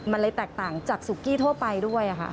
มันเลยแตกต่างจากซุกี้ทั่วไปด้วยค่ะ